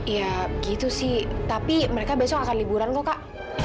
ya gitu sih tapi mereka besok akan liburan kok kak